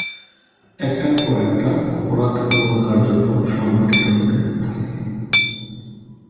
একটার পর একটা ‘অপরাধমূলক কার্যক্রম’ সংঘটিত হতে থাকে।